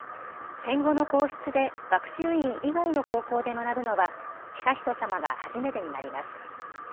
戦後の皇室で学習院以外の高校で学ぶのは悠仁さまが初めてになります。